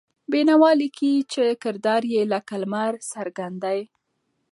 بېنوا لیکي چې کردار یې لکه لمر څرګند دی.